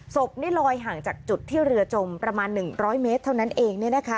ศพนี่ลอยห่างจากจุดที่เรือจมประมาณ๑๐๐เมตรเท่านั้นเอง